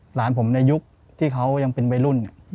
หลานผมในยุคที่เขายังเป็นวัยรุ่น